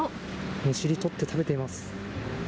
むしり取って食べています。